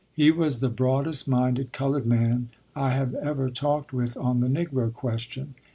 He was the broadest minded colored man I have ever talked with on the Negro question.